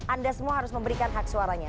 anda semua harus memberikan hak suaranya